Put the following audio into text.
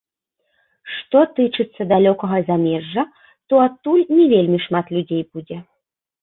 Што тычыцца далёкага замежжа, то адтуль не вельмі шмат людзей будзе.